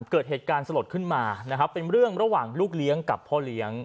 เกิดเหตุการณ์สลดขึ้นมานะครับเป็นเรื่องระหว่างลูกเลี้ยงกับพ่อเลี้ยง